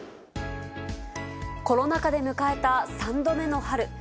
コロナ禍で迎えた３度目の春。